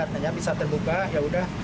tanya bisa terbuka yaudah